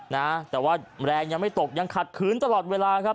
นะแต่ว่าแรงยังไม่ตกยังขัดขืนตลอดเวลาครับ